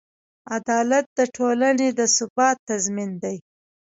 عدالت د ټولنې د ثبات تضمین دی.